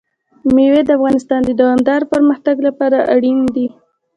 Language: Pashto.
مېوې د افغانستان د دوامداره پرمختګ لپاره اړین دي.